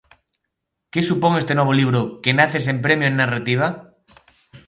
Que supón este novo libro, que nace sen premio e en narrativa?